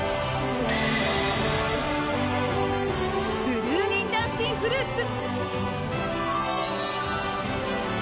ブルーミン・ダンシンフルーツ！